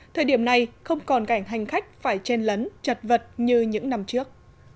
thời điểm này không còn cảnh hành khách phải chen lấn chật vật như những năm trước